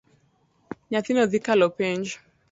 Nyathino dhi kalo penj.